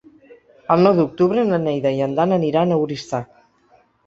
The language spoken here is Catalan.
El nou d'octubre na Neida i en Dan aniran a Oristà.